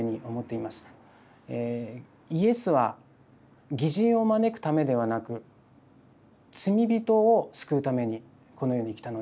イエスは義人を招くためではなく罪人を救うためにこの世に来たのである。